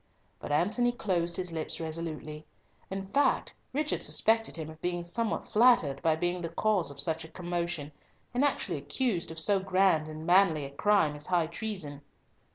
But Antony closed his lips resolutely. In fact, Richard suspected him of being somewhat flattered by being the cause of such a commotion, and actually accused of so grand and manly a crime as high treason.